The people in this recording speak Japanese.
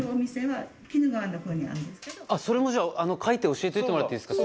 あっそれもじゃあ書いて教えといてもらっていいですか？